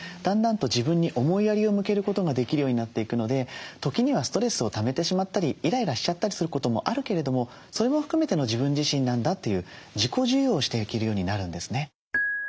だんだんと自分に思いやりを向けることができるようになっていくので時にはストレスをためてしまったりイライラしちゃったりすることもあるけれどもそれも含めての自分自身なんだという自己受容をしていけるようになるんですね。